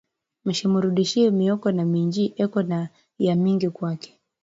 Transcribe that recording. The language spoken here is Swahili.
Mushimurudishiye mioko na minji eko na ya mingi kwake